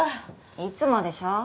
いつもでしょ。